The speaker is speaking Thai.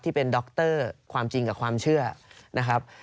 ที่เป็นดรความจริงกับความเชื่อนะครับ